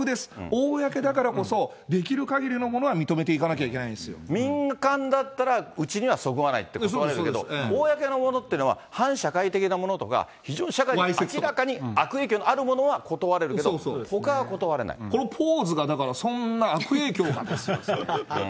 公だからこそ、できるかぎりのものは認めていかなきゃいけないん民間だったら、うちにはそぐわないって断れるけど、公のものっていうのは、反社会的なものとか、非常に社会に明らかに悪影響のあるものは断れるけどほかは断だからポーズが、だからそんな悪影響かですよ。